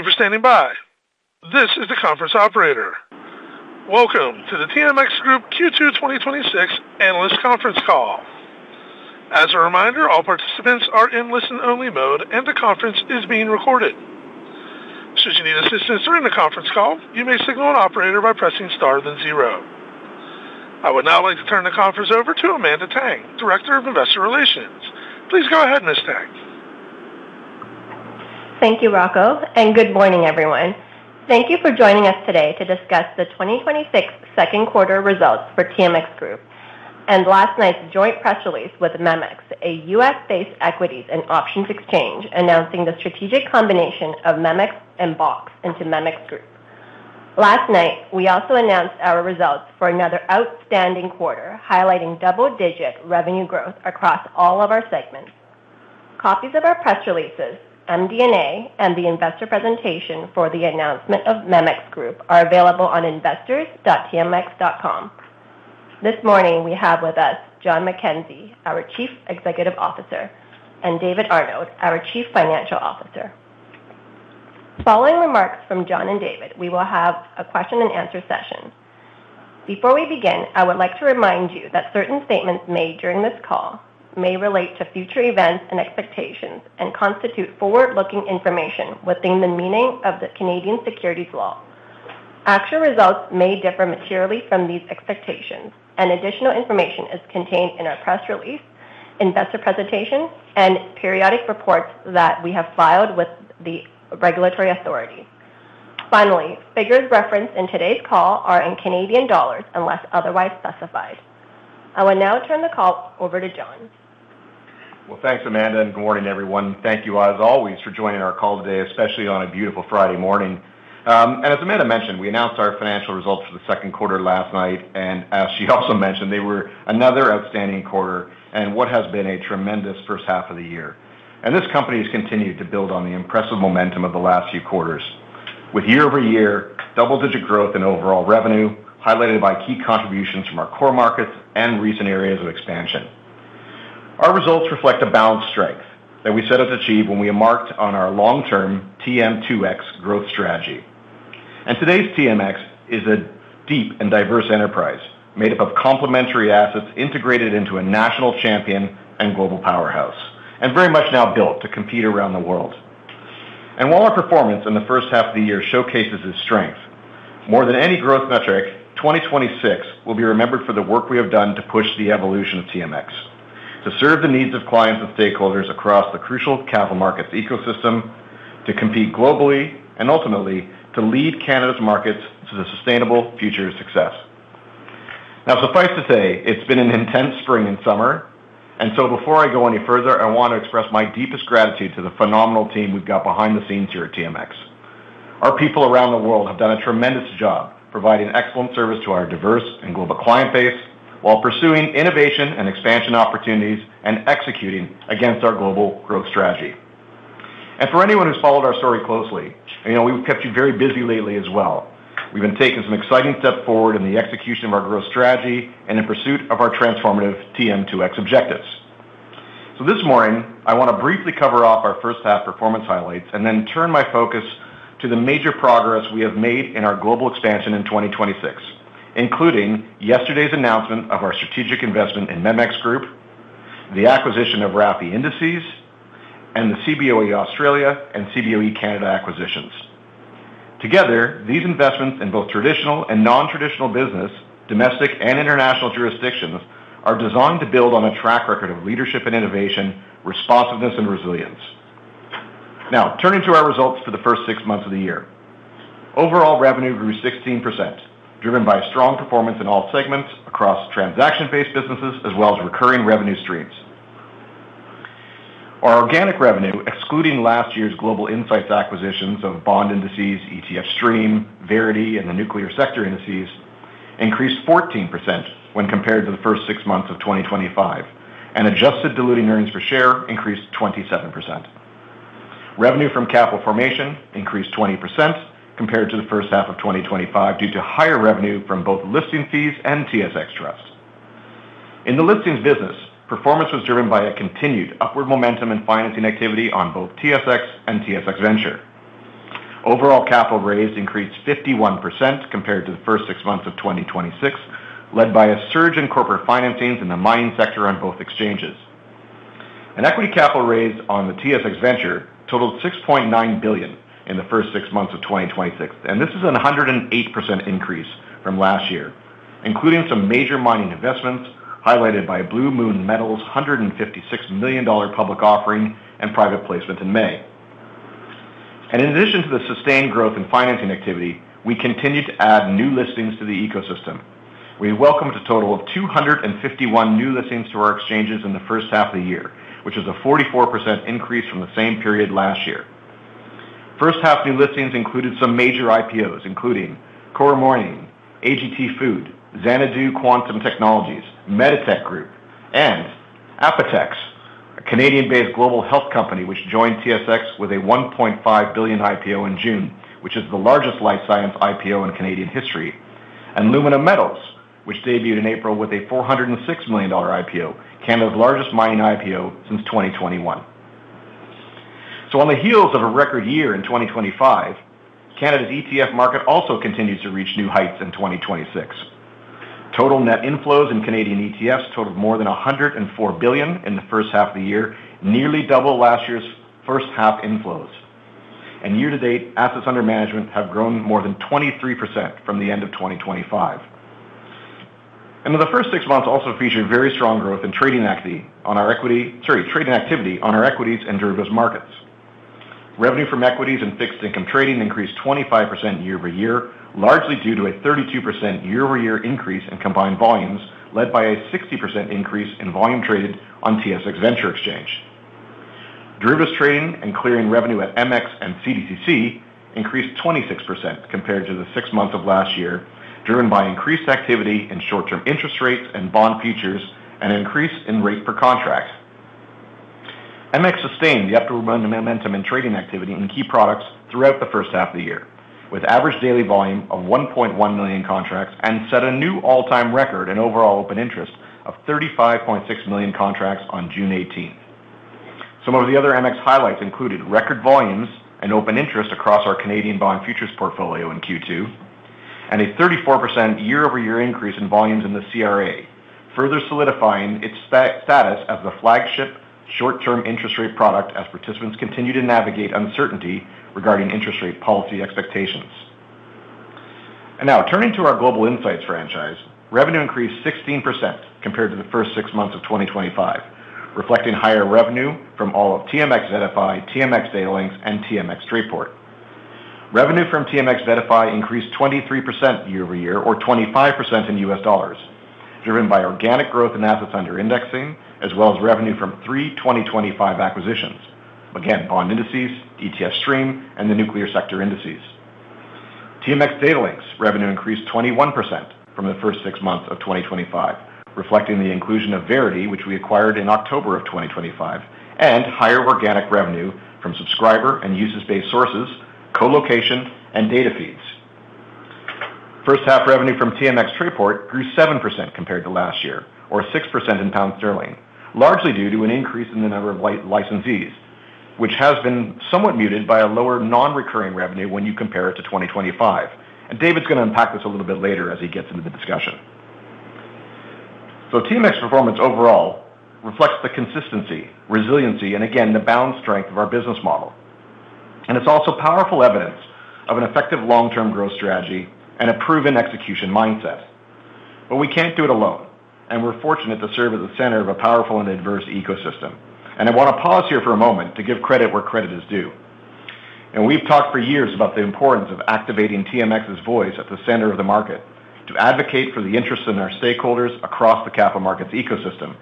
Thank you for standing by. This is the conference operator. Welcome to the TMX Group Q2 2026 analyst conference call. As a reminder, all participants are in listen-only mode, and the conference is being recorded. Should you need assistance during the conference call, you may signal an operator by pressing star then zero. I would now like to turn the conference over to Amanda Tang, Director of Investor Relations. Please go ahead, Ms. Tang. Thank you, Rocco, and good morning, everyone. Thank you for joining us today to discuss the 2026 second quarter results for TMX Group and last night's joint press release with MEMX, a U.S.-based equities and options exchange announcing the strategic combination of MEMX and BOX into MEMX Group. Last night, we also announced our results for another outstanding quarter, highlighting double-digit revenue growth across all of our segments. Copies of our press releases, MD&A, and the investor presentation for the announcement of MEMX Group are available on investors.tmx.com. This morning, we have with us John McKenzie, our Chief Executive Officer, and David Arnold, our Chief Financial Officer. Following remarks from John and David, we will have a question and answer session. Before we begin, I would like to remind you that certain statements made during this call may relate to future events and expectations and constitute forward-looking information within the meaning of the Canadian securities law. Actual results may differ materially from these expectations, and additional information is contained in our press release, investor presentation, and periodic reports that we have filed with the regulatory authority. Finally, figures referenced in today's call are in Canadian dollars unless otherwise specified. I will now turn the call over to John. Well, thanks, Amanda, and good morning, everyone. Thank you, as always, for joining our call today, especially on a beautiful Friday morning. As Amanda mentioned, we announced our financial results for the second quarter last night, and as she also mentioned, they were another outstanding quarter in what has been a tremendous first half of the year. This company has continued to build on the impressive momentum of the last few quarters with year-over-year double-digit growth in overall revenue, highlighted by key contributions from our core markets and recent areas of expansion. Our results reflect a balanced strength that we set us to achieve when we embarked on our long-term TM2X growth strategy. Today's TMX is a deep and diverse enterprise made up of complementary assets integrated into a national champion and global powerhouse, and very much now built to compete around the world. While our performance in the first half of the year showcases this strength, more than any growth metric, 2026 will be remembered for the work we have done to push the evolution of TMX to serve the needs of clients and stakeholders across the crucial capital markets ecosystem, to compete globally, and ultimately, to lead Canada's markets to the sustainable future success. Suffice to say, it's been an intense spring and summer. Before I go any further, I want to express my deepest gratitude to the phenomenal team we've got behind the scenes here at TMX. Our people around the world have done a tremendous job providing excellent service to our diverse and global client base while pursuing innovation and expansion opportunities and executing against our global growth strategy. For anyone who's followed our story closely, we've kept you very busy lately as well. We've been taking some exciting steps forward in the execution of our growth strategy and in pursuit of our transformative TM2X objectives. This morning, I want to briefly cover off our first half performance highlights and then turn my focus to the major progress we have made in our global expansion in 2026, including yesterday's announcement of our strategic investment in MEMX Group, the acquisition of RAFI Indices, and the Cboe Australia and Cboe Canada acquisitions. Together, these investments in both traditional and non-traditional business, domestic and international jurisdictions, are designed to build on a track record of leadership and innovation, responsiveness, and resilience. Turning to our results for the first six months of the year. Overall revenue grew 16%, driven by strong performance in all segments across transaction-based businesses as well as recurring revenue streams. Our organic revenue, excluding last year's Global Insights acquisitions of Bond Indices, ETF Stream, Verity, and the nuclear sector indices, increased 14% when compared to the first six months of 2025, and Adjusted Diluted earnings per share increased 27%. Revenue from Capital Formation increased 20% compared to the first half of 2025 due to higher revenue from both listing fees and TSX Trust. In the listings business, performance was driven by a continued upward momentum in financing activity on both TSX and TSX Venture. Overall capital raised increased 51% compared to the first six months of 2026, led by a surge in corporate financings in the mining sector on both exchanges. Equity capital raised on the TSX Venture totaled 6.9 billion in the first six months of 2026. This is a 108% increase from last year, including some major mining investments highlighted by Blue Moon Metals' 156 million dollar public offering and private placement in May. In addition to the sustained growth in financing activity, we continued to add new listings to the ecosystem. We welcomed a total of 251 new listings to our exchanges in the first half of the year, which is a 44% increase from the same period last year. First half new listings included some major IPOs including Corum Mining, AGT Food, Xanadu Quantum Technologies, Meditech Group, and Apotex, a Canadian-based global health company which joined TSX with a 1.5 billion IPO in June, which is the largest life science IPO in Canadian history. Lumina Metals debuted in April with a 406 million dollar IPO, Canada's largest mining IPO since 2021. On the heels of a record year in 2025, Canada's ETF market also continues to reach new heights in 2026. Total net inflows in Canadian ETFs totaled more than 104 billion in the first half of the year, nearly double last year's first-half inflows. Year-to-date, assets under management have grown more than 23% from the end of 2025. The first six months also featured very strong growth in trading activity on our equities and derivatives markets. Revenue from Equities and Fixed Income Trading increased 25% year-over-year, largely due to a 32% year-over-year increase in combined volumes, led by a 60% increase in volume traded on TSX Venture Exchange. Derivatives Trading and Clearing revenue at MX and CDCC increased 26% compared to the six months of last year, driven by increased activity in short-term interest rates and bond futures, and an increase in rate per contract. MX sustained the upward momentum in trading activity in key products throughout the first half of the year, with average daily volume of 1.1 million contracts and set a new all-time record in overall open interest of 35.6 million contracts on June 18th. Some of the other MX highlights included record volumes and open interest across our Canadian bond futures portfolio in Q2, a 34% year-over-year increase in volumes in the CORRA, further solidifying its status as the flagship short-term interest rate product as participants continue to navigate uncertainty regarding interest rate policy expectations. Now turning to our Global Insights franchise, revenue increased 16% compared to the first six months of 2025, reflecting higher revenue from all of TMX VettaFi, TMX Datalinx, and TMX Trayport. Revenue from TMX VettaFi increased 23% year-over-year or 25% in U.S. dollars, driven by organic growth in assets under indexing, as well as revenue from three 2025 acquisitions. Again, Bond Indices, ETF Stream, and the nuclear sector indices. TMX Datalinx revenue increased 21% from the first six months of 2025, reflecting the inclusion of Verity, which we acquired in October of 2025, and higher organic revenue from subscriber and usage-based sources, co-location, and data feeds. First half revenue from TMX Trayport grew 7% compared to last year or 6% in pound sterling, largely due to an increase in the number of licensees, which has been somewhat muted by a lower non-recurring revenue when you compare it to 2025. David's going to unpack this a little bit later as he gets into the discussion. TMX performance overall reflects the consistency, resiliency, and again, the balanced strength of our business model. It's also powerful evidence of an effective long-term growth strategy and a proven execution mindset. We can't do it alone, and we're fortunate to serve as a center of a powerful and diverse ecosystem. I want to pause here for a moment to give credit where credit is due. We've talked for years about the importance of activating TMX's voice at the center of the market to advocate for the interests of our stakeholders across the capital markets ecosystem.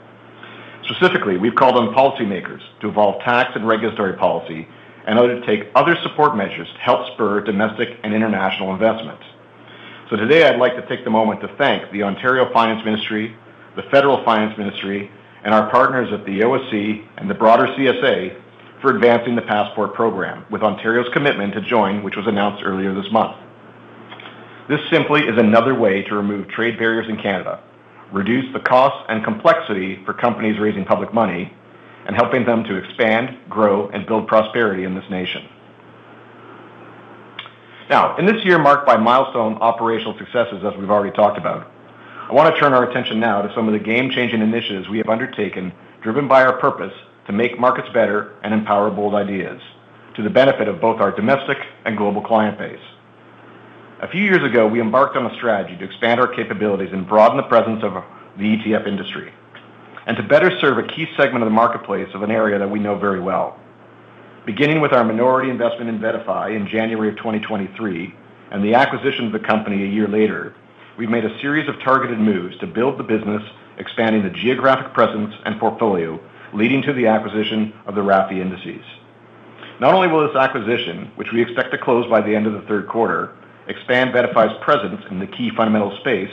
Specifically, we've called on policymakers to evolve tax and regulatory policy in order to take other support measures to help spur domestic and international investment. Today, I'd like to take the moment to thank the Ministry of Finance (Ontario), the Department of Finance Canada, and our partners at the OSC and the broader CSA for advancing the passport system with Ontario's commitment to join, which was announced earlier this month. This simply is another way to remove trade barriers in Canada, reduce the cost and complexity for companies raising public money, and helping them to expand, grow, and build prosperity in this nation. In this year marked by milestone operational successes, as we've already talked about, I want to turn our attention now to some of the game-changing initiatives we have undertaken, driven by our purpose to make markets better and empower bold ideas to the benefit of both our domestic and global client base. A few years ago, we embarked on a strategy to expand our capabilities and broaden the presence of the ETF industry and to better serve a key segment of the marketplace of an area that we know very well. Beginning with our minority investment in VettaFi in January 2023 and the acquisition of the company a year later, we've made a series of targeted moves to build the business, expanding the geographic presence and portfolio, leading to the acquisition of the RAFI Indices. Not only will this acquisition, which we expect to close by the end of the third quarter, expand VettaFi's presence in the key fundamental space,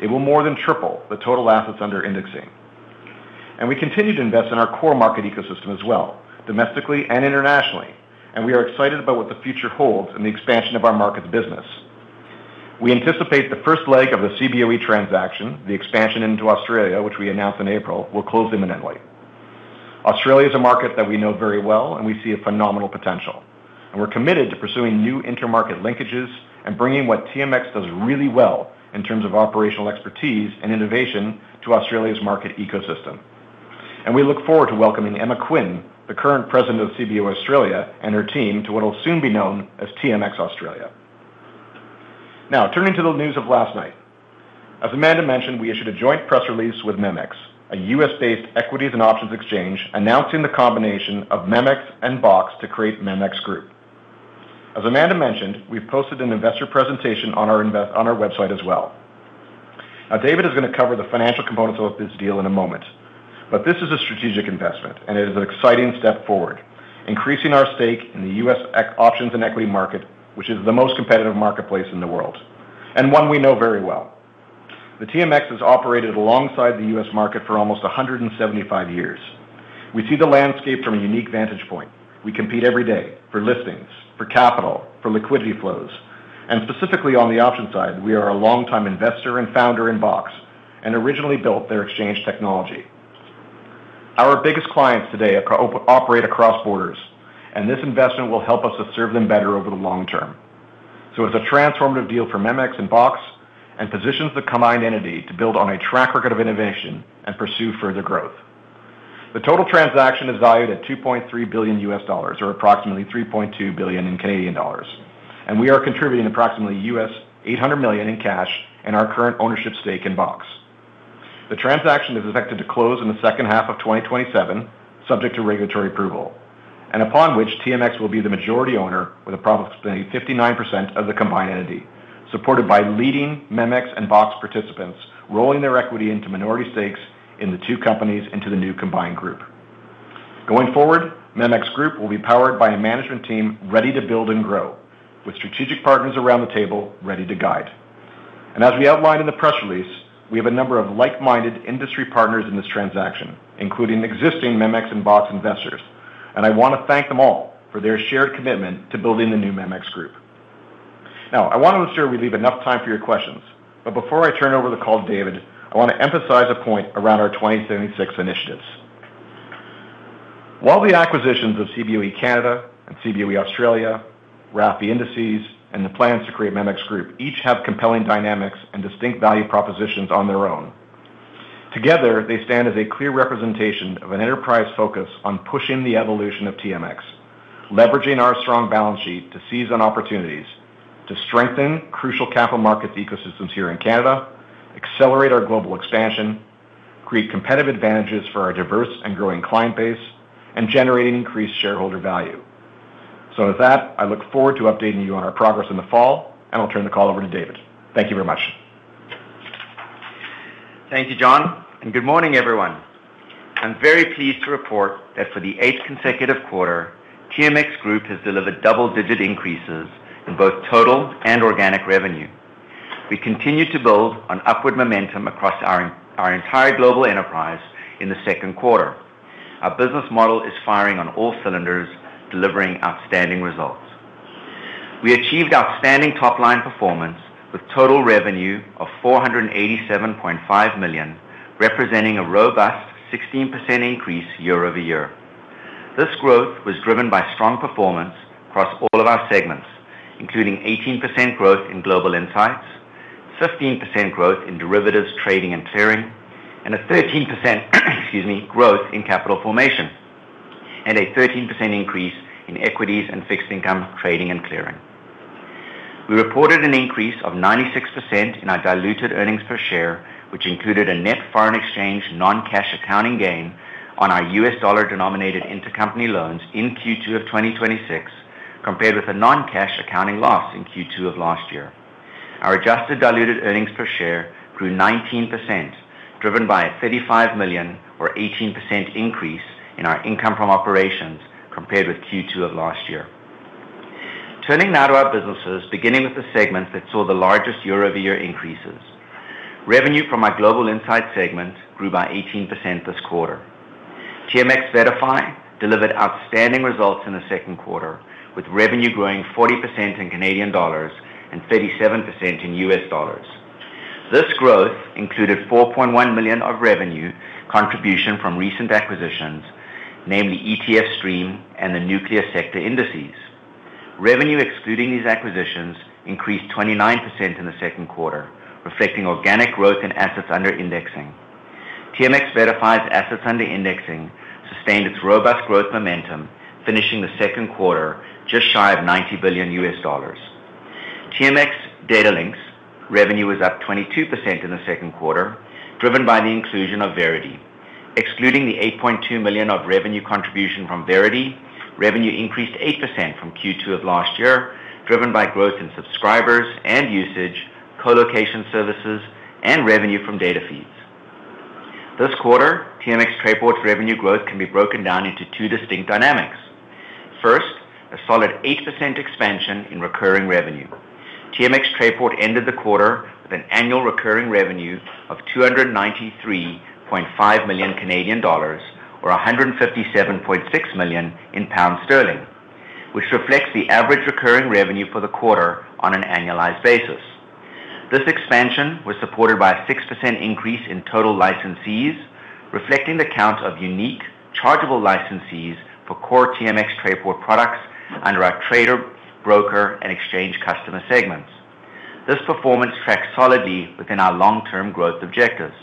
it will more than triple the total assets under indexing. We continue to invest in our core market ecosystem as well, domestically and internationally, we are excited about what the future holds in the expansion of our markets business. We anticipate the first leg of the Cboe transaction, the expansion into Australia, which we announced in April, will close imminently. Australia is a market that we know very well, we see a phenomenal potential, we're committed to pursuing new intermarket linkages and bringing what TMX does really well in terms of operational expertise and innovation to Australia's market ecosystem. We look forward to welcoming Emma Quinn, the current President of Cboe Australia, and her team to what will soon be known as TMX Australia. Turning to the news of last night. As Amanda mentioned, we issued a joint press release with MEMX, a U.S.-based equities and options exchange, announcing the combination of MEMX and BOX to create MEMX Group. As Amanda mentioned, we've posted an investor presentation on our website as well. David is going to cover the financial components of this deal in a moment, but this is a strategic investment and it is an exciting step forward, increasing our stake in the U.S. options and equity market, which is the most competitive marketplace in the world, and one we know very well. TMX has operated alongside the U.S. market for almost 175 years. We see the landscape from a unique vantage point. We compete every day for listings, for capital, for liquidity flows, and specifically on the option side, we are a longtime investor and founder in BOX and originally built their exchange technology. Our biggest clients today operate across borders, and this investment will help us to serve them better over the long term. It's a transformative deal for MEMX and BOX and positions the combined entity to build on a track record of innovation and pursue further growth. The total transaction is valued at $2.3 billion or approximately 3.2 billion, and we are contributing approximately $800 million in cash and our current ownership stake in BOX. The transaction is expected to close in the second half of 2027, subject to regulatory approval, upon which TMX will be the majority owner with approximately 59% of the combined entity, supported by leading MEMX and BOX participants rolling their equity into minority stakes in the two companies into the new combined group. Going forward, MEMX Group will be powered by a management team ready to build and grow with strategic partners around the table ready to guide. As we outlined in the press release, we have a number of like-minded industry partners in this transaction, including existing MEMX and BOX investors, and I want to thank them all for their shared commitment to building the new MEMX Group. I want to ensure we leave enough time for your questions, before I turn over the call to David, I want to emphasize a point around our 2026 initiatives. While the acquisitions of Cboe Canada and Cboe Australia, RAFI Indices, and the plans to create MEMX Group each have compelling dynamics and distinct value propositions on their own. Together, they stand as a clear representation of an enterprise focus on pushing the evolution of TMX, leveraging our strong balance sheet to seize on opportunities to strengthen crucial capital markets ecosystems here in Canada, accelerate our global expansion, create competitive advantages for our diverse and growing client base, and generate increased shareholder value. With that, I look forward to updating you on our progress in the fall, and I'll turn the call over to David. Thank you very much. Thank you, John, and good morning, everyone. I'm very pleased to report that for the eighth consecutive quarter, TMX Group has delivered double-digit increases in both total and organic revenue. We continue to build on upward momentum across our entire global enterprise in the second quarter. Our business model is firing on all cylinders, delivering outstanding results. We achieved outstanding top-line performance with total revenue of 487.5 million, representing a robust 16% increase year-over-year. This growth was driven by strong performance across all of our segments, including 18% growth in Global Insights, 15% growth in Derivatives Trading and Clearing, growth in Capital Formation, and a 13% increase in Equities and Fixed Income Trading and Clearing. We reported an increase of 96% in our Diluted earnings per share, which included a net foreign exchange non-cash accounting gain on our U.S. dollar denominated intercompany loans in Q2 of 2026, compared with a non-cash accounting loss in Q2 of last year. Our Adjusted Diluted earnings per share grew 19%, driven by a 35 million or 18% increase in our income from operations compared with Q2 of last year. Turning now to our businesses, beginning with the segments that saw the largest year-over-year increases. Revenue from our Global Insights segment grew by 18% this quarter. TMX VettaFi delivered outstanding results in the second quarter, with revenue growing 40% in CAD and 37% in U.S. dollars. This growth included 4.1 million of revenue contribution from recent acquisitions, namely ETF Stream and the nuclear sector indices. Revenue excluding these acquisitions increased 29% in the second quarter, reflecting organic growth in assets under indexing. TMX VettaFi's assets under indexing sustained its robust growth momentum, finishing the second quarter just shy of $90 billion. TMX Datalinx revenue was up 22% in the second quarter, driven by the inclusion of Verity. Excluding the 8.2 million of revenue contribution from Verity, revenue increased 8% from Q2 of last year, driven by growth in subscribers and usage, co-location services, and revenue from data feeds. This quarter, TMX Trayport's revenue growth can be broken down into two distinct dynamics. First, a solid 8% expansion in recurring revenue. TMX Trayport ended the quarter with an annual recurring revenue of 293.5 million Canadian dollars, or 157.6 million pounds, which reflects the average recurring revenue for the quarter on an annualized basis. This expansion was supported by a 6% increase in total licensees, reflecting the count of unique chargeable licensees for core TMX Trayport products under our trader, broker, and exchange customer segments. This performance tracks solidly within our long-term growth objectives.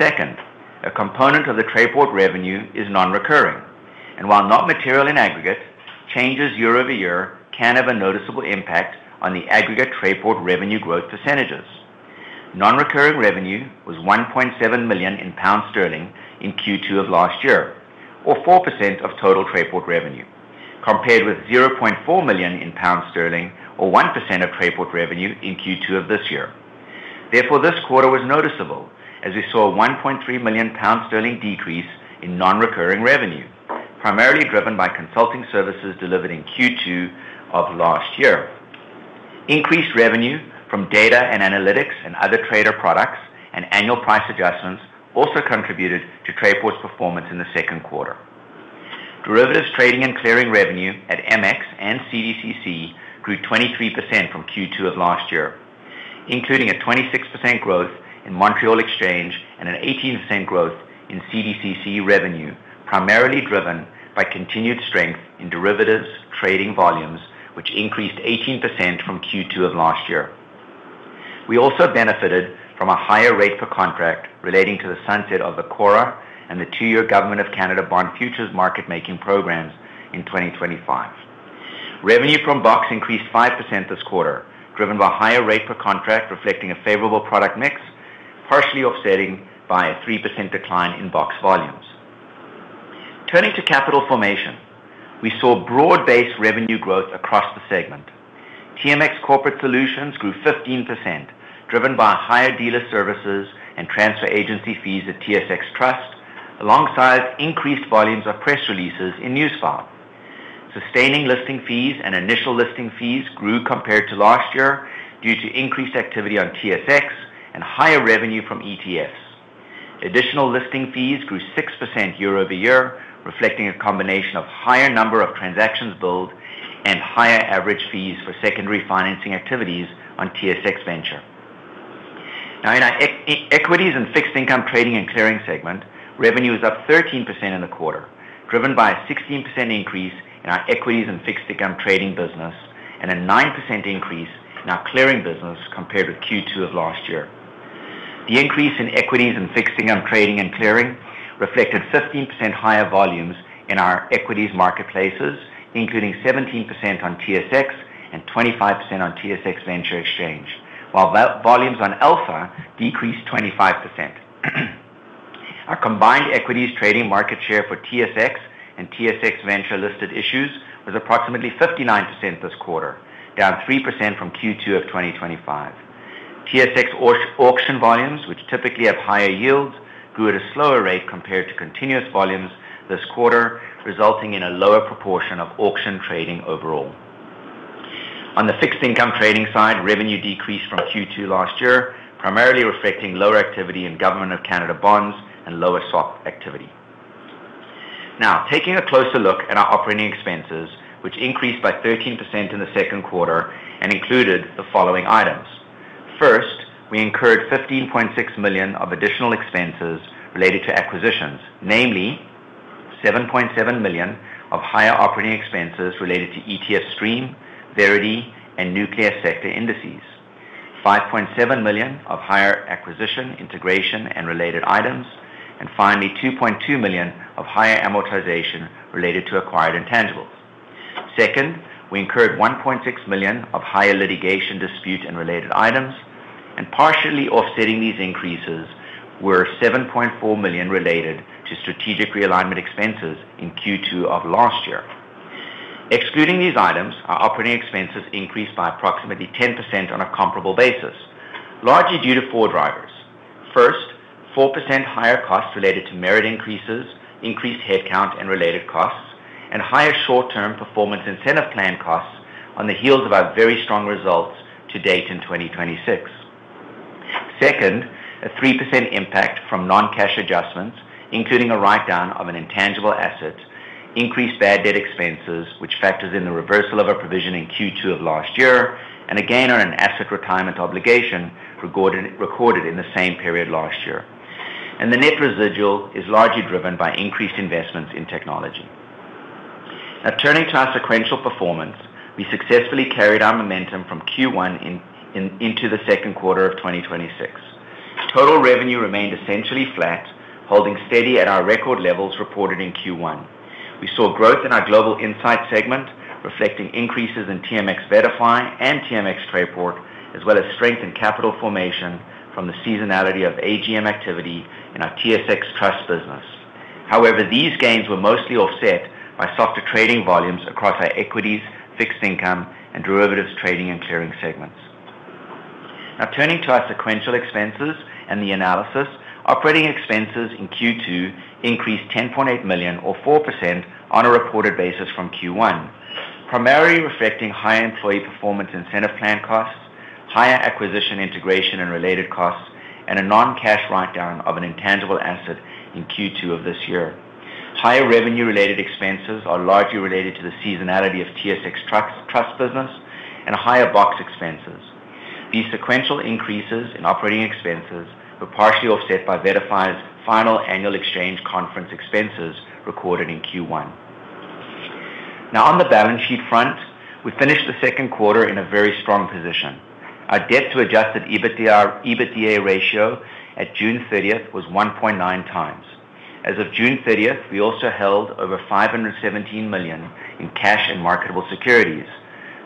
Second, a component of the Trayport revenue is non-recurring, and while not material in aggregate, changes year-over-year can have a noticeable impact on the aggregate Trayport revenue growth percentages. Non-recurring revenue was 1.7 million pounds in Q2 of last year, or 4% of total Trayport revenue, compared with 0.4 million pounds or 1% of Trayport revenue in Q2 of this year. Therefore, this quarter was noticeable as we saw a 1.3 million pounds decrease in non-recurring revenue. Primarily driven by consulting services delivered in Q2 of last year. Increased revenue from data and analytics and other trader products, and annual price adjustments also contributed to Trayport's performance in the second quarter. Derivatives Trading and Clearing revenue at MX and CDCC grew 23% from Q2 of last year, including a 26% growth in Montréal Exchange and an 18% growth in CDCC revenue, primarily driven by continued strength in derivatives trading volumes, which increased 18% from Q2 of last year. We also benefited from a higher rate per contract relating to the sunset of the CORRA and the two-year government of Canada bond futures market making programs in 2025. Revenue from BOX increased 5% this quarter, driven by a higher rate per contract, reflecting a favorable product mix, partially offsetting by a 3% decline in BOX volumes. Turning to Capital Formation, we saw broad-based revenue growth across the segment. TMX Corporate Solutions grew 15%, driven by higher dealer services and transfer agency fees at TSX Trust, alongside increased volumes of press releases in Newsfile. Sustaining listing fees and initial listing fees grew compared to last year due to increased activity on TSX and higher revenue from ETFs. Additional listing fees grew 6% year-over-year, reflecting a combination of higher number of transactions billed and higher average fees for secondary financing activities on TSX Venture. In our Equities and Fixed Income Trading and Clearing segment, revenue is up 13% in the quarter, driven by a 16% increase in our equities and fixed income trading business, and a 9% increase in our clearing business compared to Q2 of last year. The increase in Equities and Fixed Income Trading and Clearing reflected 15% higher volumes in our equities marketplaces, including 17% on TSX and 25% on TSX Venture Exchange. Volumes on Alpha decreased 25%. Our combined equities trading market share for TSX and TSX Venture listed issues was approximately 59% this quarter, down 3% from Q2 of 2025. TSX auction volumes, which typically have higher yields, grew at a slower rate compared to continuous volumes this quarter, resulting in a lower proportion of auction trading overall. The fixed income trading side, revenue decreased from Q2 last year, primarily reflecting lower activity in Government of Canada bonds and lower soft activity. Taking a closer look at our operating expenses, which increased by 13% in the second quarter and included the following items. First, we incurred 15.6 million of additional expenses related to acquisitions, namely 7.7 million of higher operating expenses related to ETF Stream, Verity, and nuclear sector indices. 5.7 million of higher acquisition integration and related items, and finally 2.2 million of higher amortization related to acquired intangibles. Second, we incurred 1.6 million of higher litigation dispute and related items, partially offsetting these increases were 7.4 million related to strategic realignment expenses in Q2 of last year. Excluding these items, our operating expenses increased by approximately 10% on a comparable basis, largely due to four drivers. First, 4% higher costs related to merit increases, increased headcount and related costs, and higher short-term performance incentive plan costs on the heels of our very strong results to date in 2026. Second, a 3% impact from non-cash adjustments, including a write-down of an intangible asset, increased bad debt expenses, which factors in the reversal of a provision in Q2 of last year, and a gain on an asset retirement obligation recorded in the same period last year. The net residual is largely driven by increased investments in technology. Turning to our sequential performance, we successfully carried our momentum from Q1 into the second quarter of 2026. Total revenue remained essentially flat, holding steady at our record levels reported in Q1. We saw growth in our Global Insights segment reflecting increases in TMX Verity and TMX Trayport, as well as strength in Capital Formation from the seasonality of AGM activity in our TSX Trust business. These gains were mostly offset by softer trading volumes across our equities, fixed income, and Derivatives Trading and Clearing segments. Turning to our sequential expenses and the analysis, operating expenses in Q2 increased 10.8 million or 4% on a reported basis from Q1, primarily reflecting high employee performance incentive plan costs, higher acquisition integration and related costs, and a non-cash write-down of an intangible asset in Q2 of this year. Higher revenue related expenses are largely related to the seasonality of TSX Trust business and higher BOX expenses. These sequential increases in operating expenses were partially offset by Verity's final annual exchange conference expenses recorded in Q1. On the balance sheet front, we finished the second quarter in a very strong position. Our debt to Adjusted EBITDA ratio at June 30th was 1.9x. As of June 30th, we also held over 517 million in cash and marketable securities,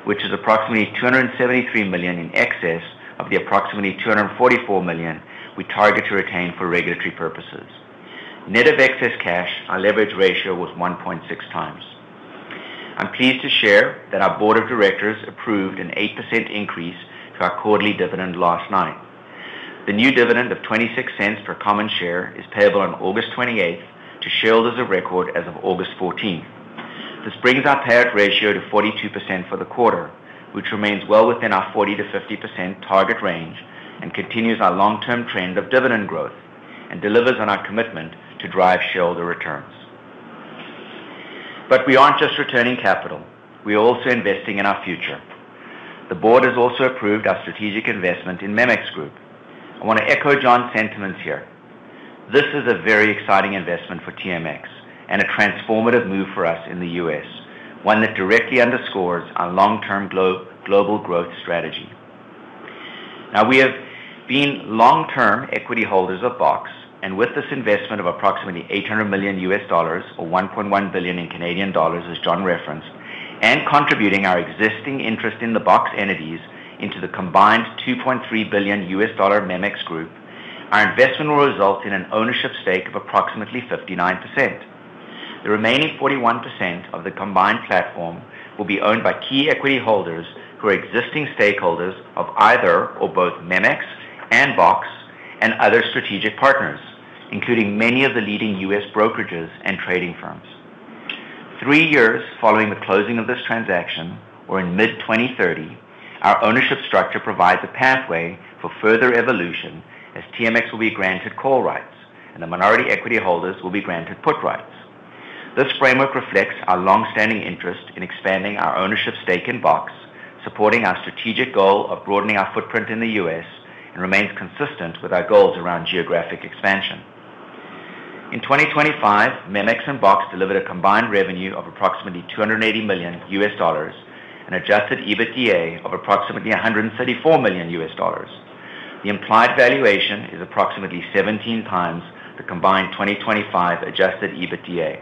which is approximately 273 million in excess of the approximately 244 million we target to retain for regulatory purposes. Net of excess cash, our leverage ratio was 1.6x. I'm pleased to share that our board of directors approved an 8% increase to our quarterly dividend last night. The new dividend of 0.26 per common share is payable on August 28th to shareholders of record as of August 14th. This brings our payout ratio to 42% for the quarter, which remains well within our 40%-50% target range, continues our long-term trend of dividend growth, and delivers on our commitment to drive shareholder returns. We aren't just returning capital; we are also investing in our future. The board has also approved our strategic investment in MEMX Group. I want to echo John's sentiments here. This is a very exciting investment for TMX and a transformative move for us in the U.S., one that directly underscores our long-term global growth strategy. We have been long-term equity holders of BOX, and with this investment of approximately $800 million, or 1.1 billion, as John referenced, and contributing our existing interest in the BOX entities into the combined $2.3 billion MEMX Group, our investment will result in an ownership stake of approximately 59%. The remaining 41% of the combined platform will be owned by key equity holders who are existing stakeholders of either or both MEMX and BOX, and other strategic partners, including many of the leading U.S. brokerages and trading firms. Three years following the closing of this transaction, or in mid-2030, our ownership structure provides a pathway for further evolution as TMX will be granted call rights and the minority equity holders will be granted put rights. This framework reflects our longstanding interest in expanding our ownership stake in BOX, supporting our strategic goal of broadening our footprint in the U.S., remains consistent with our goals around geographic expansion. In 2025, MEMX and BOX delivered a combined revenue of approximately $280 million, an Adjusted EBITDA of approximately $134 million. The implied valuation is approximately 17x the combined 2025 Adjusted EBITDA.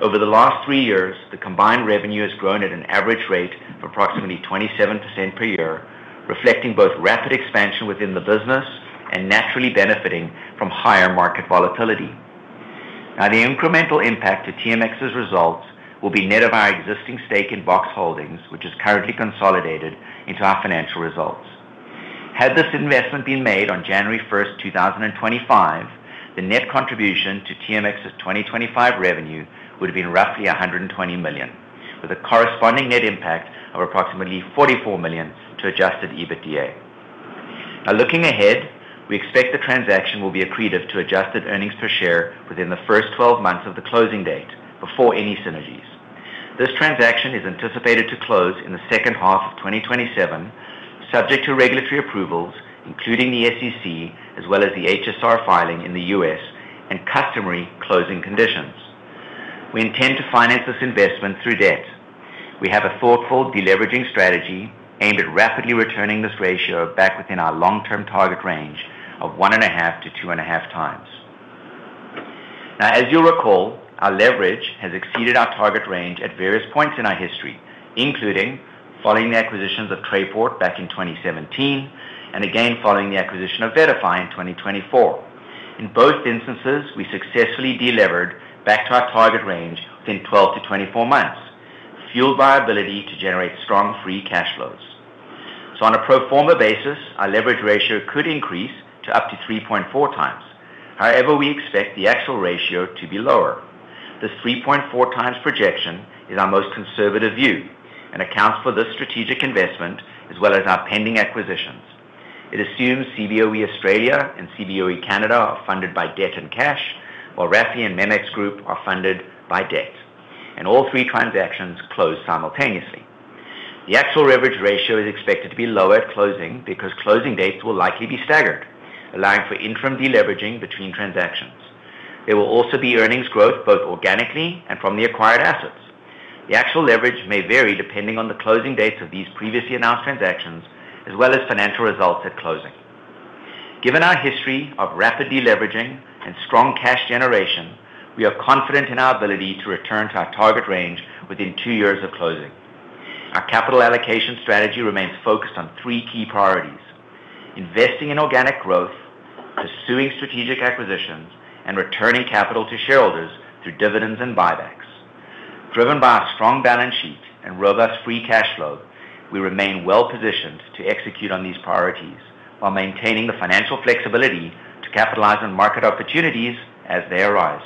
Over the last three years, the combined revenue has grown at an average rate of approximately 27% per year, reflecting both rapid expansion within the business and naturally benefiting from higher market volatility. The incremental impact to TMX's results will be net of our existing stake in BOX Holdings, which is currently consolidated into our financial results. Had this investment been made on January 1st, 2025, the net contribution to TMX's 2025 revenue would've been roughly 120 million, with a corresponding net impact of approximately 44 million to Adjusted EBITDA. Looking ahead, we expect the transaction will be accretive to Adjusted earnings per share within the first 12 months of the closing date before any synergies. This transaction is anticipated to close in the second half of 2027, subject to regulatory approvals, including the SEC, as well as the HSR filing in the U.S., and customary closing conditions. We intend to finance this investment through debt. We have a thoughtful deleveraging strategy aimed at rapidly returning this ratio back within our long-term target range of 1.5x-2.5x. As you'll recall, our leverage has exceeded our target range at various points in our history, including following the acquisitions of Trayport back in 2017, and again following the acquisition of VettaFi in 2024. In both instances, we successfully delevered back to our target range within 12-24 months, fueled by ability to generate strong free cash flows. On a pro forma basis, our leverage ratio could increase to up to 3.4x. However, we expect the actual ratio to be lower. This 3.4x projection is our most conservative view and accounts for this strategic investment, as well as our pending acquisitions. It assumes Cboe Australia and Cboe Canada are funded by debt and cash, while RAFI and MEMX Group are funded by debt, and all three transactions close simultaneously. The actual leverage ratio is expected to be lower at closing because closing dates will likely be staggered, allowing for interim deleveraging between transactions. There will also be earnings growth both organically and from the acquired assets. The actual leverage may vary depending on the closing dates of these previously announced transactions, as well as financial results at closing. Given our history of rapid deleveraging and strong cash generation, we are confident in our ability to return to our target range within two years of closing. Our capital allocation strategy remains focused on three key priorities: investing in organic growth, pursuing strategic acquisitions, and returning capital to shareholders through dividends and buybacks. Driven by our strong balance sheet and robust free cash flow, we remain well positioned to execute on these priorities while maintaining the financial flexibility to capitalize on market opportunities as they arise.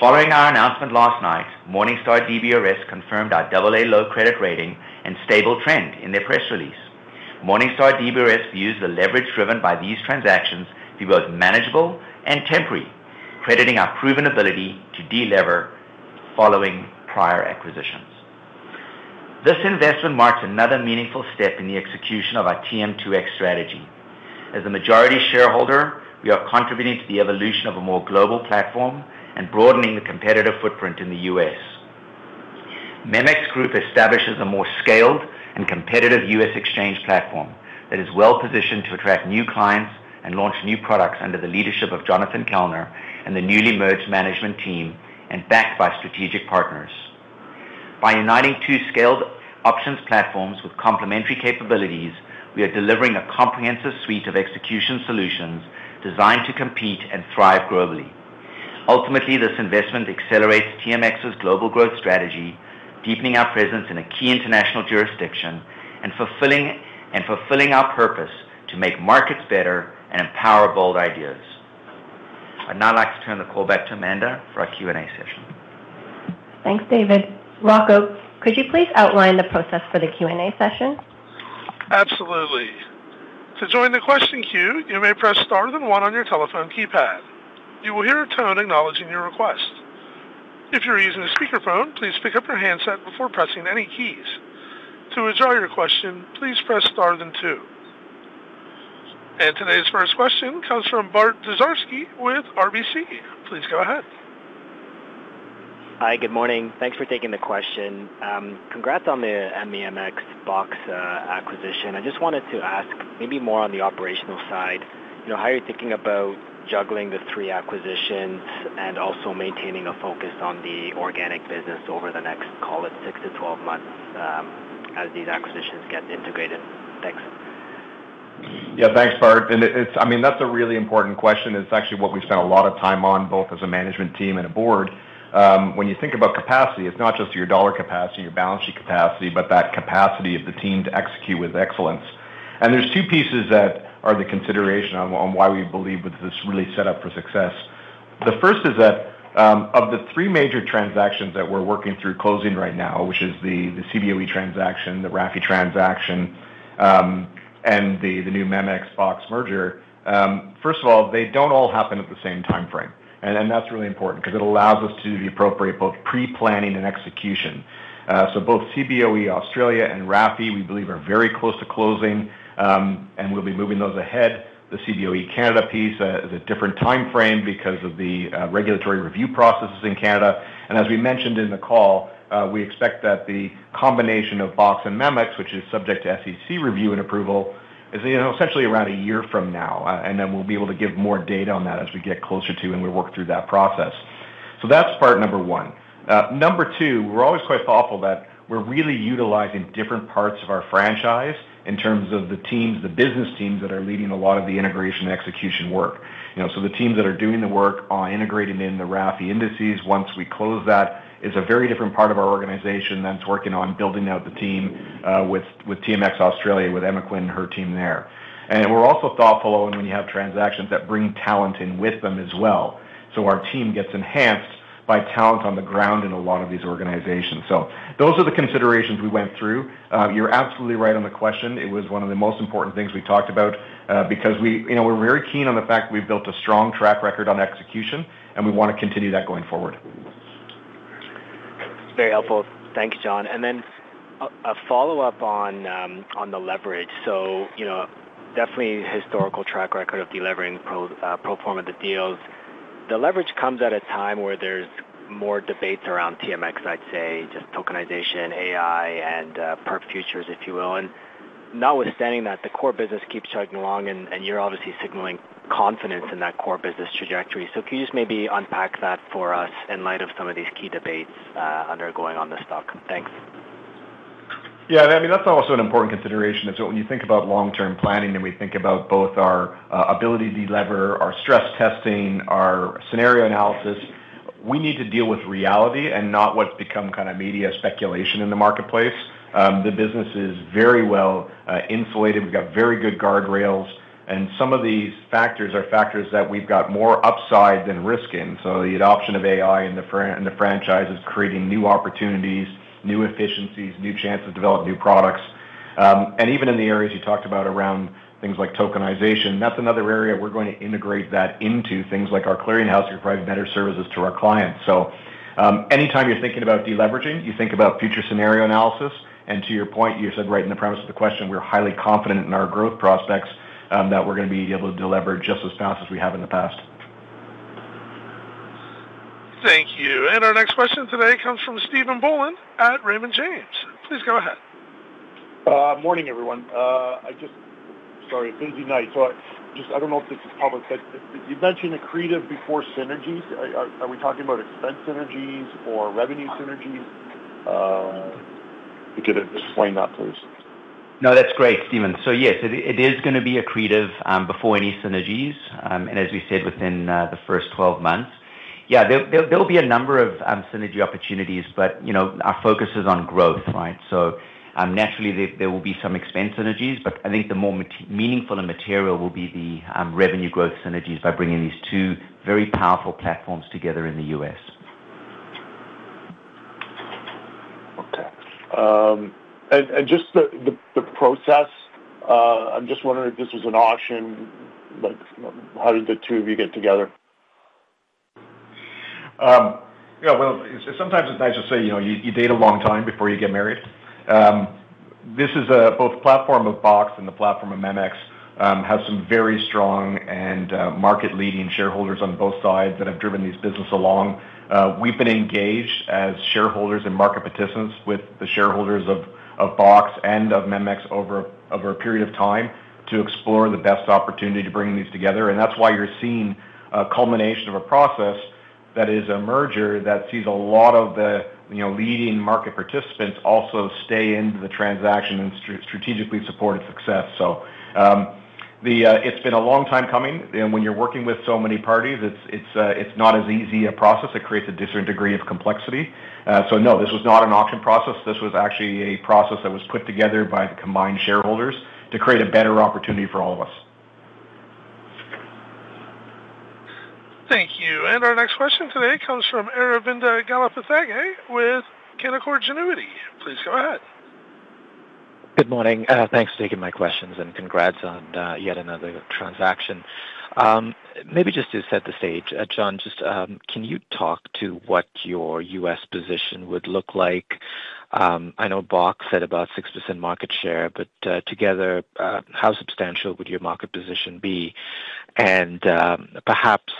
Following our announcement last night, Morningstar DBRS confirmed our double A low credit rating and stable trend in their press release. Morningstar DBRS views the leverage driven by these transactions to be both manageable and temporary, crediting our proven ability to delever following prior acquisitions. This investment marks another meaningful step in the execution of our TM2X strategy. As a majority shareholder, we are contributing to the evolution of a more global platform and broadening the competitive footprint in the U.S. MEMX Group establishes a more scaled and competitive U.S. exchange platform that is well positioned to attract new clients and launch new products under the leadership of Jonathan Kellner and the newly merged management team and backed by strategic partners. By uniting two scaled options platforms with complementary capabilities, we are delivering a comprehensive suite of execution solutions designed to compete and thrive globally. Ultimately, this investment accelerates TMX's global growth strategy, deepening our presence in a key international jurisdiction and fulfilling our purpose to make markets better and empower bold ideas. I'd now like to turn the call back to Amanda for our Q&A session. Thanks, David. Rocco, could you please outline the process for the Q&A session? Absolutely. To join the question queue, you may press star then one on your telephone keypad. You will hear a tone acknowledging your request. If you're using a speakerphone, please pick up your handset before pressing any keys. To withdraw your question, please press star then two. Today's first question comes from Bart Dziarski with RBC. Please go ahead. Hi. Good morning. Thanks for taking the question. Congrats on the MEMX BOX acquisition. I just wanted to ask maybe more on the operational side, how are you thinking about juggling the three acquisitions and also maintaining a focus on the organic business over the next, call it 6-12 months, as these acquisitions get integrated? Thanks. Thanks, Bart. That's a really important question. It's actually what we've spent a lot of time on, both as a management team and a board. When you think about capacity, it's not just your dollar capacity, your balance sheet capacity, but that capacity of the team to execute with excellence. There's two pieces that are the consideration on why we believe this is really set up for success. The first is that of the three major transactions that we're working through closing right now, which is the Cboe transaction, the RAFI transaction, and the new MEMX BOX merger. First of all, they don't all happen at the same timeframe. That's really important because it allows us to do the appropriate both pre-planning and execution. Both Cboe Australia and RAFI, we believe, are very close to closing, and we'll be moving those ahead. The Cboe Canada piece is a different timeframe because of the regulatory review processes in Canada. As we mentioned in the call, we expect that the combination of BOX and MEMX, which is subject to SEC review and approval, is essentially around a year from now, then we'll be able to give more data on that as we get closer to and we work through that process. That's part number one. Number two, we're always quite thoughtful that we're really utilizing different parts of our franchise in terms of the teams, the business teams that are leading a lot of the integration and execution work. The teams that are doing the work on integrating in the RAFI Indices, once we close that, is a very different part of our organization than it's working on building out the team with Cboe Australia, with Emma Quinn and her team there. We're also thoughtful when you have transactions that bring talent in with them as well. Our team gets enhanced by talent on the ground in a lot of these organizations. Those are the considerations we went through. You're absolutely right on the question. It was one of the most important things we talked about because we're very keen on the fact we've built a strong track record on execution, and we want to continue that going forward. Very helpful. Thanks, John. Then a follow-up on the leverage. Definitely historical track record of delevering pro forma of the deals. The leverage comes at a time where there's more debates around TMX, I'd say, just tokenization, AI, and perp futures, if you will. Notwithstanding that, the core business keeps chugging along, and you're obviously signaling confidence in that core business trajectory. Can you just maybe unpack that for us in light of some of these key debates undergoing on the stock? Thanks. Yeah. That's also an important consideration is when you think about long-term planning, we think about both our ability to delever, our stress testing, our scenario analysis, we need to deal with reality and not what's become media speculation in the marketplace. The business is very well insulated. We've got very good guardrails, and some of these factors are factors that we've got more upside than risk in. The adoption of AI in the franchise is creating new opportunities, new efficiencies, new chances to develop new products. Even in the areas you talked about around things like tokenization, that's another area we're going to integrate that into things like our clearing house to provide better services to our clients. Anytime you're thinking about deleveraging, you think about future scenario analysis. To your point, you said right in the premise of the question, we're highly confident in our growth prospects that we're going to be able to delever just as fast as we have in the past. Thank you. Our next question today comes from Stephen Boland at Raymond James. Please go ahead. Morning, everyone. Sorry, busy night. I don't know if this is public, but you mentioned accretive before synergies. Are we talking about expense synergies or revenue synergies? If you could explain that, please. No, that's great, Stephen. Yes, it is going to be accretive before any synergies. As we said, within the first 12 months. There will be a number of synergy opportunities, but our focus is on growth, right? Naturally, there will be some expense synergies, but I think the more meaningful and material will be the revenue growth synergies by bringing these two very powerful platforms together in the U.S. Okay. Just the process, I'm just wondering if this was an auction, how did the two of you get together? Well, sometimes it's nice to say you date a long time before you get married. Both platform of BOX and the platform of MEMX have some very strong and market-leading shareholders on both sides that have driven this business along. We've been engaged as shareholders and market participants with the shareholders of BOX and of MEMX over a period of time to explore the best opportunity to bring these together. That's why you're seeing a culmination of a process that is a merger that sees a lot of the leading market participants also stay in the transaction and strategically support its success. It's been a long time coming, and when you're working with so many parties, it's not as easy a process. It creates a different degree of complexity. No, this was not an auction process. This was actually a process that was put together by the combined shareholders to create a better opportunity for all of us. Thank you. Our next question today comes from Aravinda Galappatthige with Canaccord Genuity. Please go ahead. Good morning. Thanks for taking my questions, and congrats on yet another transaction. Maybe just to set the stage, John, just can you talk to what your U.S. position would look like? I know BOX said about 6% market share, but together, how substantial would your market position be? Perhaps,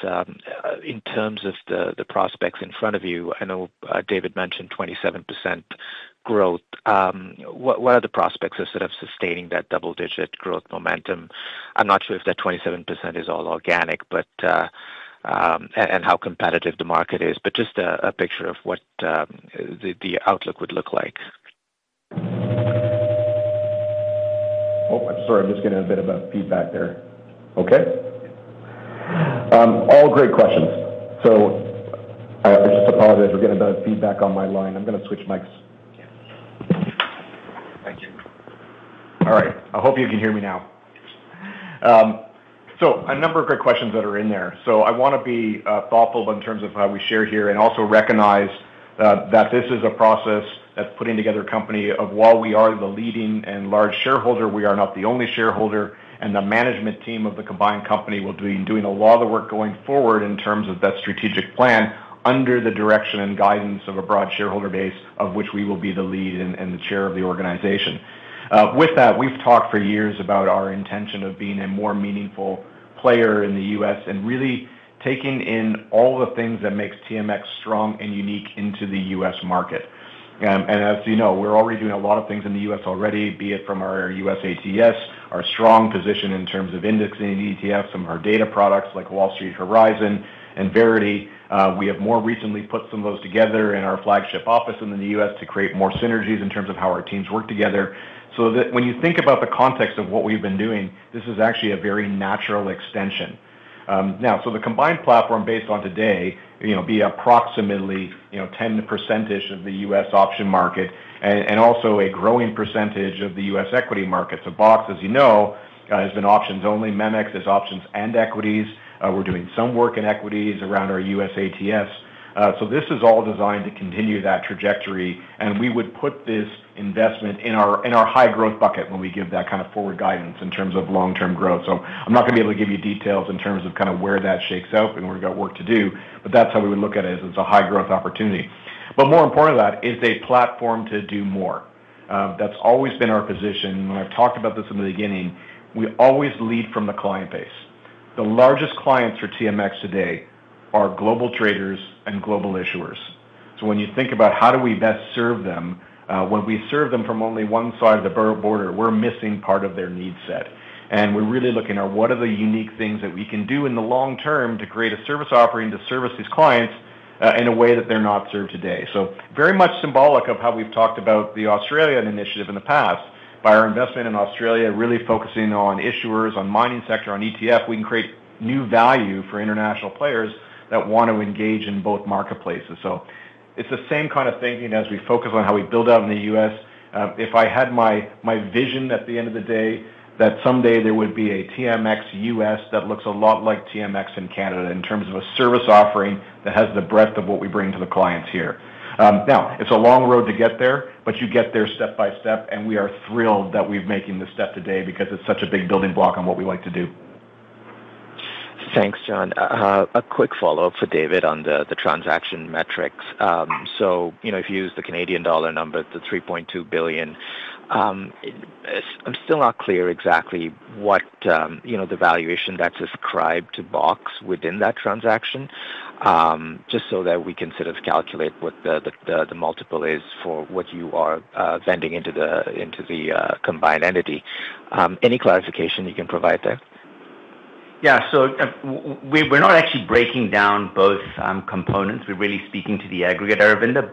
in terms of the prospects in front of you, I know David mentioned 27% growth. What are the prospects of sort of sustaining that double-digit growth momentum? I'm not sure if that 27% is all organic, and how competitive the market is. Just a picture of what the outlook would look like? Oh, I'm sorry. I'm just getting a bit of a feedback there. Okay. All great questions. I just apologize. We're getting a bit of feedback on my line. I'm going to switch mics. Yeah. Thank you. All right. I hope you can hear me now. A number of great questions that are in there. I want to be thoughtful in terms of how we share here and also recognize that this is a process that's putting together a company of, while we are the leading and large shareholder, we are not the only shareholder, and the management team of the combined company will be doing a lot of the work going forward in terms of that strategic plan under the direction and guidance of a broad shareholder base, of which we will be the lead and the chair of the organization. With that, we've talked for years about our intention of being a more meaningful player in the U.S. and really taking in all the things that makes TMX strong and unique into the U.S. market. As you know, we're already doing a lot of things in the U.S. already. Be it from our U.S. ATS, our strong position in terms of indexing ETFs, some of our data products like Wall Street Horizon and Verity. We have more recently put some of those together in our flagship office in the U.S. to create more synergies in terms of how our teams work together. That when you think about the context of what we've been doing, this is actually a very natural extension. Now, the combined platform based on today, will be approximately 10% of the U.S. option market and also a growing percentage of the U.S. equity market. BOX, as you know, has been options only. MEMX is options and equities. We're doing some work in equities around our U.S. ATS. This is all designed to continue that trajectory, and we would put this investment in our high growth bucket when we give that kind of forward guidance in terms of long-term growth. I'm not going to be able to give you details in terms of where that shakes out, and we've got work to do, but that's how we would look at it, is it's a high growth opportunity. More important than that, it's a platform to do more. That's always been our position. When I've talked about this in the beginning, we always lead from the client base. The largest clients for TMX today are global traders and global issuers. When you think about how do we best serve them, when we serve them from only one side of the border, we're missing part of their need set. We're really looking at what are the unique things that we can do in the long term to create a service offering to service these clients, in a way that they're not served today. Very much symbolic of how we've talked about the Australian initiative in the past. By our investment in Australia, really focusing on issuers, on mining sector, on ETF, we can create new value for international players that want to engage in both marketplaces. It's the same kind of thinking as we focus on how we build out in the U.S. If I had my vision at the end of the day, that someday there would be a TMX U.S. that looks a lot like TMX in Canada in terms of a service offering that has the breadth of what we bring to the clients here. It's a long road to get there, but you get there step by step, we are thrilled that we're making this step today because it's such a big building block on what we like to do. Thanks, John. A quick follow-up for David on the transaction metrics. If you use the Canadian dollar number, the 3.2 billion, I'm still not clear exactly what the valuation that's ascribed to BOX within that transaction, so that we can sort of calculate what the multiple is for what you are vending into the combined entity. Any clarification you can provide there? We're not actually breaking down both components. We're really speaking to the aggregate, Aravinda,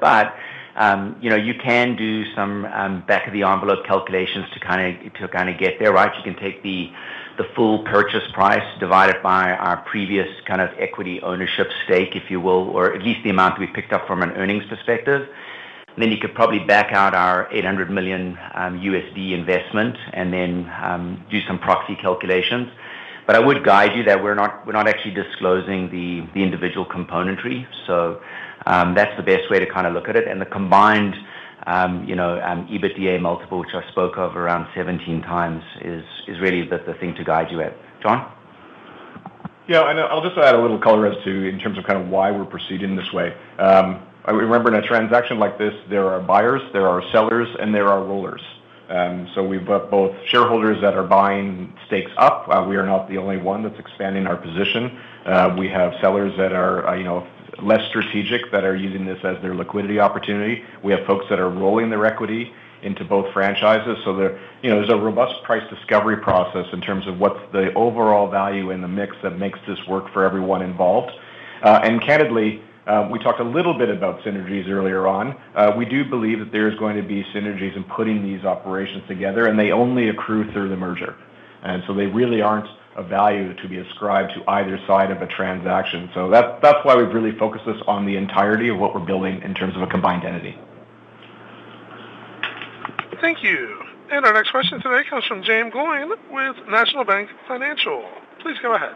you can do some back of the envelope calculations to kind of get there, right? You can take the full purchase price, divide it by our previous kind of equity ownership stake, if you will, or at least the amount we picked up from on earnings perspective. You could probably back out our $800 million investment and then do some proxy calculations. I would guide you that we're not actually disclosing the individual componentry. That's the best way to kind of look at it. The combined EBITDA multiple, which I spoke of around 17x, is really the thing to guide you at. John? I'll just add a little color as to in terms of kind of why we're proceeding this way. Remember, in a transaction like this, there are buyers, there are sellers, and there are rollers. We've got both shareholders that are buying stakes up. We are not the only one that's expanding our position. We have sellers that are less strategic, that are using this as their liquidity opportunity. We have folks that are rolling their equity into both franchises. There's a robust price discovery process in terms of what's the overall value in the mix that makes this work for everyone involved. Candidly, we talked a little bit about synergies earlier on. We do believe that there's going to be synergies in putting these operations together, and they only accrue through the merger. They really aren't a value to be ascribed to either side of a transaction. That's why we've really focused this on the entirety of what we're building in terms of a combined entity. Thank you. Our next question today comes from Jaeme Gloyn with National Bank Financial. Please go ahead.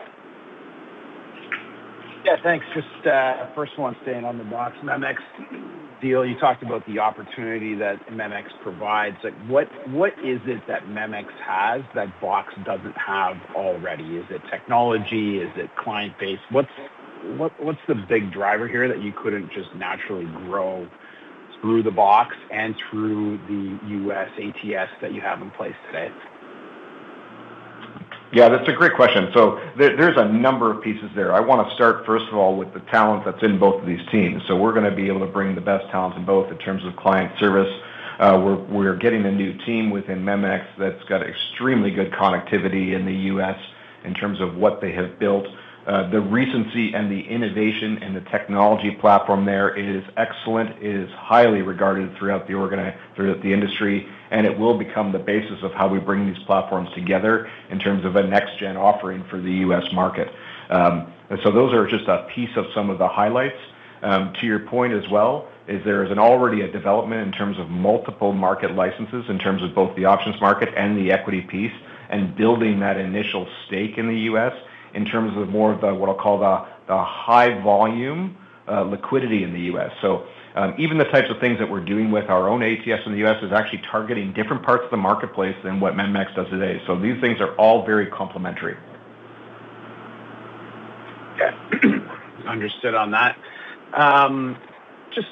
Yeah, thanks. Just first one, staying on the BOX, MEMX deal, you talked about the opportunity that MEMX provides. What is it that MEMX has that BOX doesn't have already? Is it technology? Is it client base? What's the big driver here that you couldn't just naturally grow through the BOX and through the U.S. ATS that you have in place today? Yeah, that's a great question. There's a number of pieces there. I want to start, first of all, with the talent that's in both of these teams. We're going to be able to bring the best talent in both in terms of client service. We're getting a new team within MEMX that's got extremely good connectivity in the U.S. in terms of what they have built. The recency and the innovation and the technology platform there is excellent, it is highly regarded throughout the industry, and it will become the basis of how we bring these platforms together in terms of a next-gen offering for the U.S. market. Those are just a piece of some of the highlights. To your point as well, there is already a development in terms of multiple market licenses, in terms of both the options market and the equity piece, and building that initial stake in the U.S., in terms of more of the, what I'll call the high volume liquidity in the U.S. Even the types of things that we're doing with our own ATS in the U.S. is actually targeting different parts of the marketplace than what MEMX does today. These things are all very complementary. Yeah. Understood on that. Just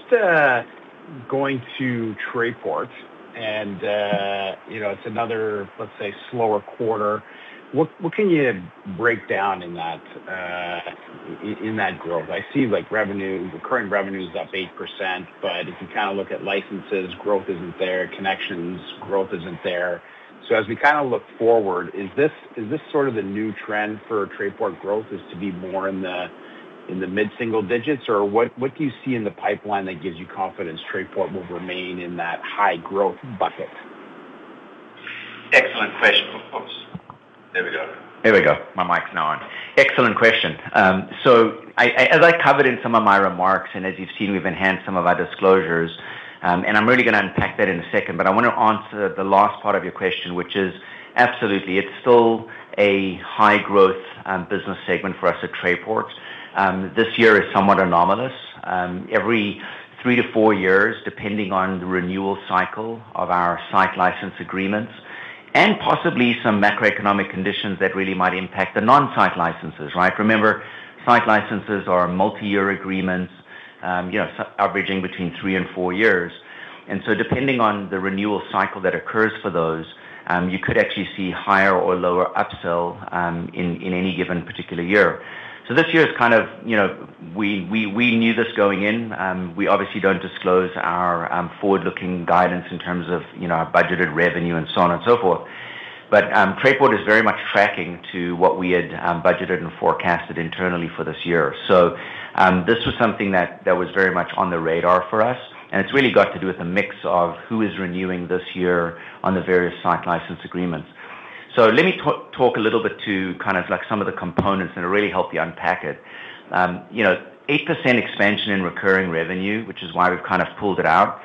going to Trayport and it's another, let's say, slower quarter. What can you break down in that growth? I see recurring revenue is up 8%, but if you look at licenses, growth isn't there, connections growth isn't there. As we look forward, is this sort of the new trend for Trayport growth is to be more in the mid-single digits? Or what do you see in the pipeline that gives you confidence Trayport will remain in that high growth bucket? Excellent question. Oops. There we go. There we go. My mic's now on. Excellent question. As I covered in some of my remarks, and as you've seen, we've enhanced some of our disclosures. I'm really going to unpack that in a second, but I want to answer the last part of your question, which is absolutely. It's still a high growth business segment for us at Trayport. This year is somewhat anomalous. Every three to four years, depending on the renewal cycle of our site license agreements, and possibly some macroeconomic conditions that really might impact the non-site licenses, right? Remember, site licenses are multi-year agreements averaging between three and four years. Depending on the renewal cycle that occurs for those, you could actually see higher or lower upsell in any given particular year. This year is kind of we knew this going in. We obviously don't disclose our forward-looking guidance in terms of our budgeted revenue and so on and so forth. Trayport is very much tracking to what we had budgeted and forecasted internally for this year. This was something that was very much on the radar for us, and it's really got to do with a mix of who is renewing this year on the various site license agreements. Let me talk a little bit to some of the components and really help you unpack it. 8% expansion in recurring revenue, which is why we've pulled it out,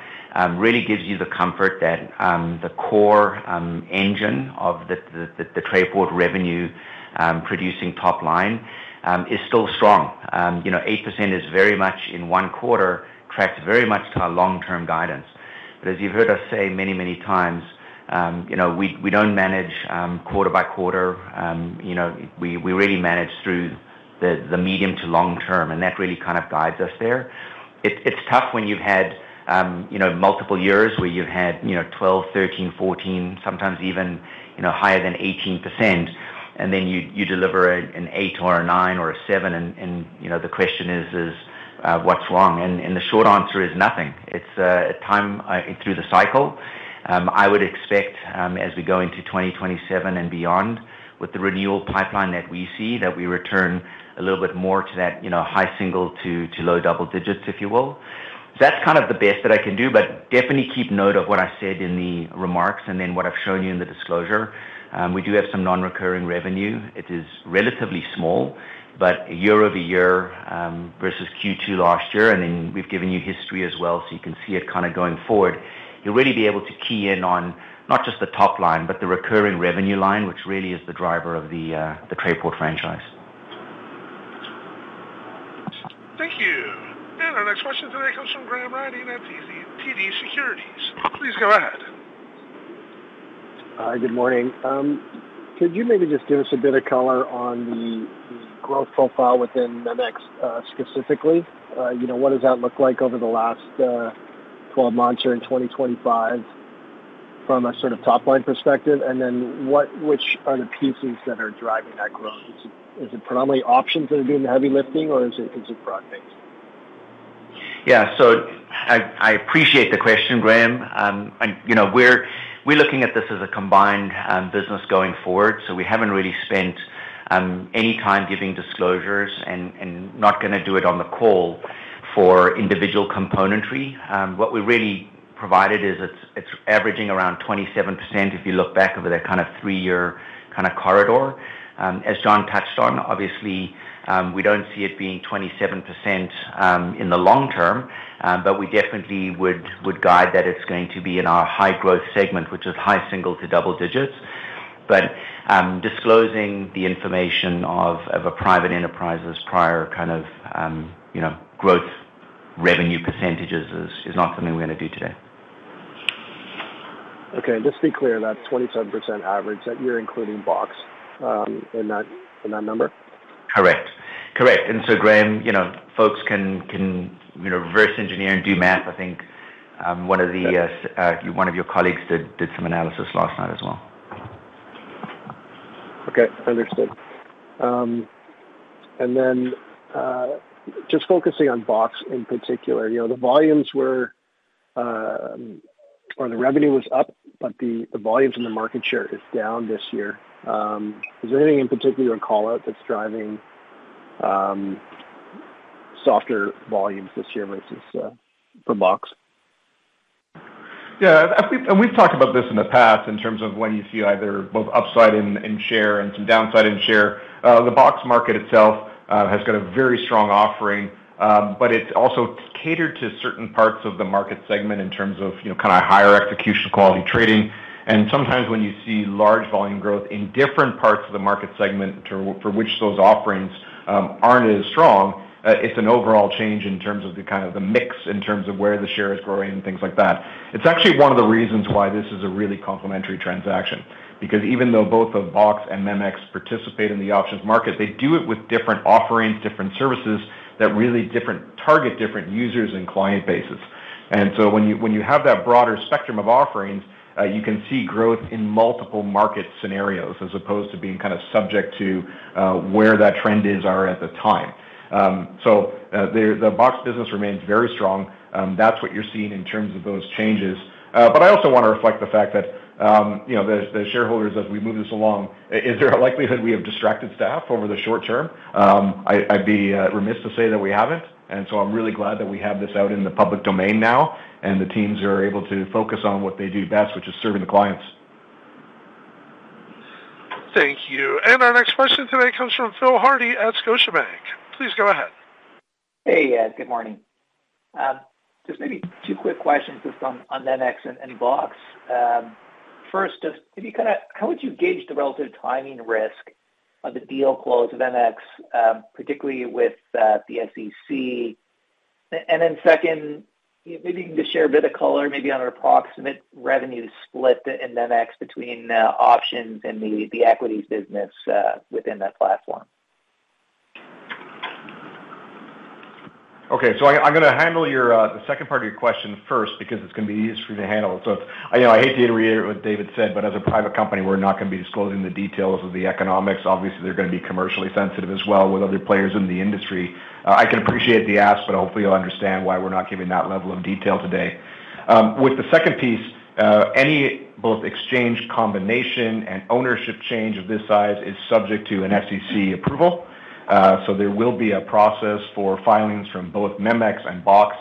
really gives you the comfort that the core engine of the Trayport revenue producing top line is still strong. 8% is very much in one quarter, tracks very much to our long-term guidance. As you've heard us say many times, we don't manage quarter by quarter. We really manage through the medium to long term, and that really guides us there. It's tough when you've had multiple years where you've had 12, 13, 14, sometimes even higher than 18%, and then you deliver an eight or a nine or a seven, and the question is, what's wrong? The short answer is nothing. It's time through the cycle. I would expect, as we go into 2027 and beyond, with the renewal pipeline that we see, that we return a little bit more to that high single to low double digits, if you will. That's the best that I can do but definitely keep note of what I said in the remarks and then what I've shown you in the disclosure. We do have some non-recurring revenue. It is relatively small, but year-over-year versus Q2 last year, and then we've given you history as well, so you can see it going forward. You'll really be able to key in on not just the top line, but the recurring revenue line, which really is the driver of the Trayport franchise. Thank you. Our next question today comes from Graham Ryding at TD Securities. Please go ahead. Good morning. Could you maybe just give us a bit of color on the growth profile within MEMX specifically? What does that look like over the last 12 months here in 2025 from a top-line perspective? Which are the pieces that are driving that growth? Is it predominantly options that are doing the heavy lifting or is it product-based? Yeah. I appreciate the question, Graham. We're looking at this as a combined business going forward, so we haven't really spent any time giving disclosures, and not going to do it on the call for individual componentry. What we really provided is it's averaging around 27%, if you look back over that three-year corridor. As John touched on, obviously, we don't see it being 27% in the long term, but we definitely would guide that it's going to be in our high-growth segment, which is high single to double digits. Disclosing the information of a private enterprise's prior growth revenue percentages is not something we're going to do today. Okay. Just be clear, that 27% average, you're including BOX in that number? Correct. Graham, folks can reverse engineer and do math. I think one of your colleagues did some analysis last night as well. Understood. Just focusing on BOX in particular, the revenue was up, but the volumes and the market share is down this year. Is there anything in particular, a call-out that's driving softer volumes this year for BOX? We've talked about this in the past in terms of when you see either both upside in share and some downside in share. The BOX market itself has got a very strong offering. It's also catered to certain parts of the market segment in terms of higher execution quality trading. Sometimes when you see large volume growth in different parts of the market segment for which those offerings aren't as strong, it's an overall change in terms of the mix, in terms of where the share is growing and things like that. Actually, one of the reasons why this is a really complementary transaction, because even though both of BOX and MEMX participate in the options market, they do it with different offerings, different services that really target different users and client bases. When you have that broader spectrum of offerings, you can see growth in multiple market scenarios, as opposed to being subject to where that trend is or at the time. The BOX business remains very strong. That's what you're seeing in terms of those changes. I also want to reflect the fact that the shareholders, as we move this along, is there a likelihood we have distracted staff over the short term? I'd be remiss to say that we haven't, and so I'm really glad that we have this out in the public domain now, and the teams are able to focus on what they do best, which is serving the clients. Thank you. Our next question today comes from Phil Hardie at Scotiabank. Please go ahead. Hey. Good morning. Just maybe two quick questions just on MEMX and BOX. First, how would you gauge the relative timing risk of the deal close of MEMX, particularly with the SEC? Second, maybe you can just share a bit of color, maybe on an approximate revenue split in MEMX between options and the equities business within that platform? Okay. I'm going to handle the second part of your question first because it's going to be easier for me to handle. I hate to reiterate what David said, but as a private company, we're not going to be disclosing the details of the economics. Obviously, they're going to be commercially sensitive as well with other players in the industry. I can appreciate the ask, but hopefully you'll understand why we're not giving that level of detail today. With the second piece, any both exchange combination and ownership change of this size is subject to an SEC approval. There will be a process for filings from both MEMX and BOX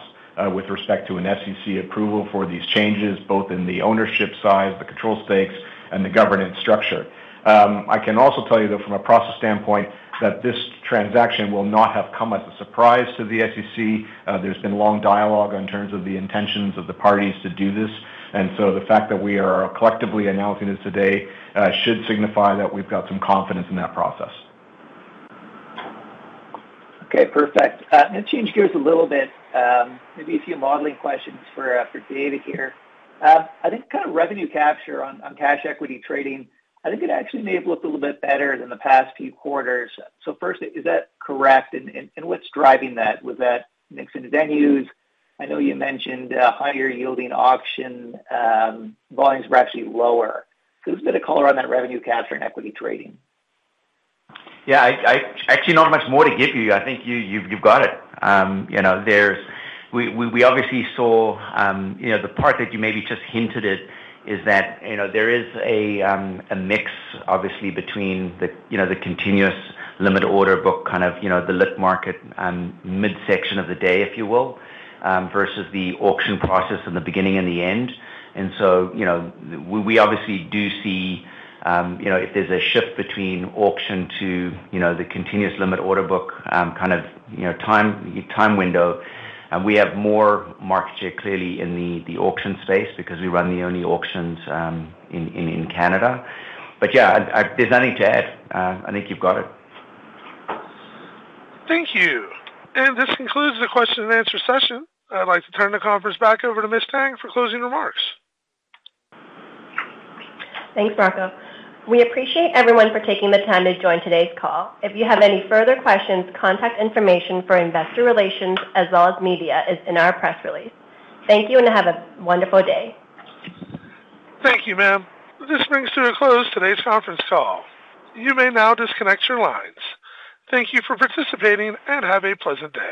with respect to an SEC approval for these changes, both in the ownership side, the control stakes, and the governance structure. I can also tell you, though, from a process standpoint, that this transaction will not have come as a surprise to the SEC. There's been long dialogue in terms of the intentions of the parties to do this, the fact that we are collectively announcing this today should signify that we've got some confidence in that process. Okay, perfect. Going to change gears a little bit. Maybe a few modeling questions for David here. I think revenue capture on cash equity trading; I think it actually may have looked a little bit better than the past few quarters. First, is that correct, and what's driving that? Was that mix in venues? I know you mentioned higher yielding option volumes were actually lower. Who's going to call around that revenue capture and equity trading? Yeah. Actually, not much more to give you. I think you've got it. We obviously saw the part that you maybe just hinted at is that there is a mix, obviously, between the continuous limit order book, the lit market, midsection of the day, if you will, versus the auction process in the beginning and the end. We obviously do see if there's a shift between auction to the continuous limit order book time window. We have more market share clearly in the auction space because we run the only auctions in Canada. Yeah. There's nothing to add. I think you've got it. Thank you. This concludes the question-and-answer session. I'd like to turn the conference back over to Ms. Tang for closing remarks. Thanks, Rocco. We appreciate everyone for taking the time to join today's call. If you have any further questions, contact information for investor relations as well as media is in our press release. Thank you and have a wonderful day. Thank you, Ma'am. This brings to a close today's conference call. You may now disconnect your lines. Thank you for participating and have a pleasant day.